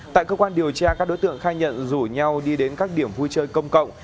tại cơ quan điều tra các đối tượng khai nhận rủ nhau đi đến các điểm vui chơi công cộng